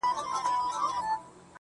گرانه دا اوس ستا د ځوانۍ په خاطر.